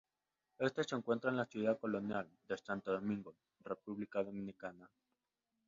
Este se encuentra en la Ciudad Colonial, de Santo Domingo, República Dominicana.